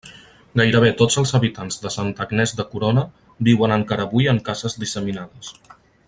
Gairebé tots els habitants de Santa Agnès de Corona viuen encara avui en cases disseminades.